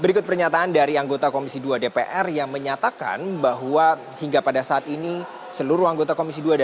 berikut pernyataan dari anggota komisi dua dpr yang menyatakan bahwa hingga pada saat ini seluruh anggota komisi dua dpr